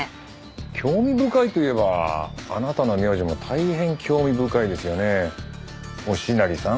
興味深いといえばあなたの名字も大変興味深いですよね忍成さん。